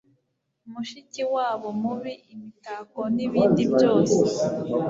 mushikiwabo mubi, imitako nibindi byose